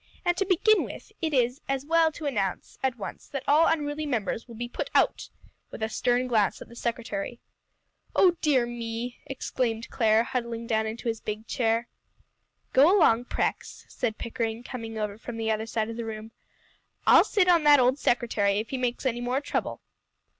"And to begin with, it is as well to announce at once that all unruly members will be put out," with a stern glance at the secretary. "Oh, dear me!" exclaimed Clare, huddling down into his big chair. "Go along, Prex," said Pickering, coming over from the other side of the room, "I'll sit on that old secretary if he makes any more trouble."